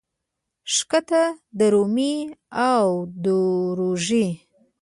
ښکته درومي او دوړېږي.